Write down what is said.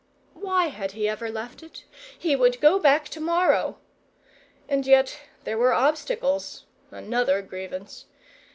Why had he ever left it? He would go back to morrow and yet there were obstacles: another grievance.